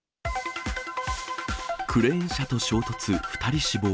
クレーン車と衝突、２人死亡。